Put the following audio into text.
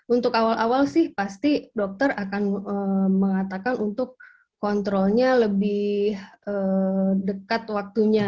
untuk awal awal sih pasti dokter akan mengatakan untuk kontrolnya lebih dekat waktunya